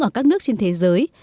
ở các nước trên thế giới